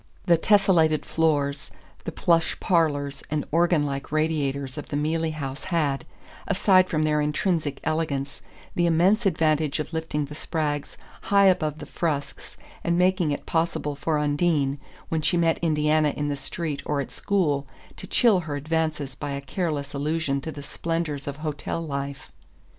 The tessellated floors, the plush parlours and organ like radiators of the Mealey House had, aside from their intrinsic elegance, the immense advantage of lifting the Spraggs high above the Frusks, and making it possible for Undine, when she met Indiana in the street or at school, to chill her advances by a careless allusion to the splendours of hotel life.